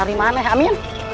rari maneh amin